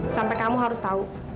sampai kamu harus tau